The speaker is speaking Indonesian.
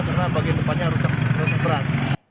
karena bagian depannya rusak dan berat